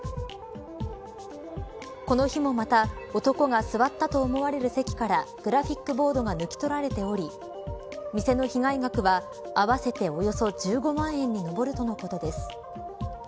この日もまた男が座ったと思われる席からグラフィックボードが抜き取られており店の被害額は合わせておよそ１５万円に上るとのことです。